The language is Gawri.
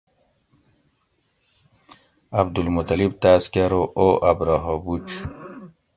عدالمطلب تاس کہ ارو او ابرھہ بُج